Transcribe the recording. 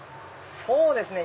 そうですね